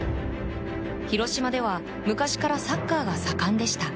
広島では昔からサッカーが盛んでした。